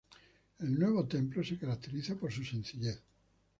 El nuevo templo se caracteriza por su sencillez.